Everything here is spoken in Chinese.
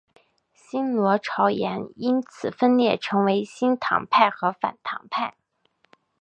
新罗朝延因此分裂为亲唐派和反唐派。